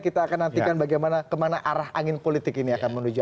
kita akan nantikan bagaimana kemana arah angin politik ini akan menuju